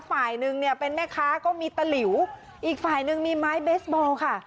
ฝ่ายหนึ่งเนี่ยเป็นแม่ค้าก็มีตะหลิวอีกฝ่ายหนึ่งมีไม้เบสบอลค่ะ